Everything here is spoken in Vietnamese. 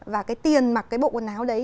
và cái tiền mặc cái bộ quần áo đấy